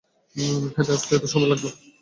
হেঁটে আসতে এত সময় লাগল?